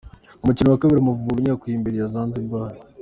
Umukino wa kabiri Amavubi ntiyikuye imbere ya Zanzibare